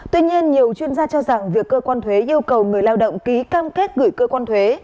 tuy nhiên nhiều chuyên gia cho rằng việc cơ quan thuế yêu cầu người lao động ký cam kết gửi cơ quan thuế